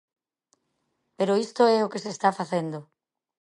Pero isto é o que se está facendo.